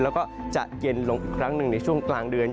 แล้วก็จะเย็นลงอีกครั้งหนึ่งในช่วงกลางเดือน